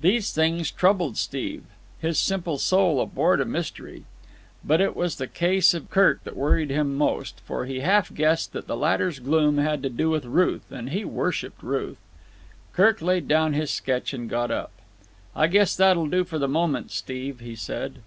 These things troubled Steve. His simple soul abhorred a mystery. But it was the case of Kirk that worried him most, for he half guessed that the latter's gloom had to do with Ruth; and he worshipped Ruth. Kirk laid down his sketch and got up. "I guess that'll do for the moment, Steve," he said.